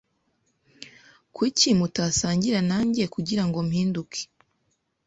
Kuki mutasangira nanjye kugirango mpinduke?